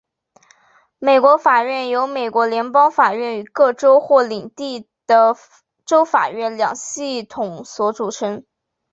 美国法院由美国联邦法院与各州或领地的州法院两系统所组成。